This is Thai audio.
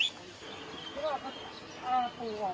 จากฝรั่งเชิญภายใดเพื่อนให้ดีกว่า